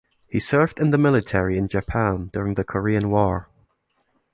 He served in the military in Japan during the Korean War.